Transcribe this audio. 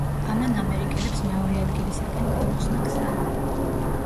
ამან ამერიკელებს მეორე ადგილისაკენ გაუხსნა გზა.